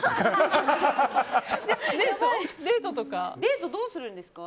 デートとかはどうするんですか？